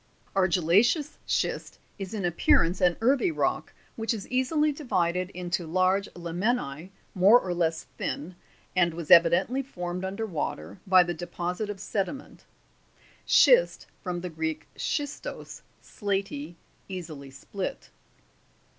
20. Argillaceous schist is in appearance an earthy rock, which is easily divided into large laminae more or less thin, and was evi dently formed under water by the deposit of sediment. [Schist, from the Greek schistos, slaty, easily split.